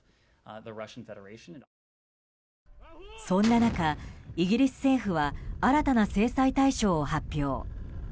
そんな中、イギリス政府は新たな制裁対象を発表。